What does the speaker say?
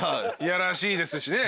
やらしいですしね。